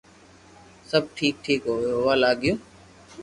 سب ٺيڪ ٺيڪ ھووا لاگيو